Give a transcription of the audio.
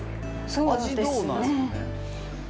そうですね。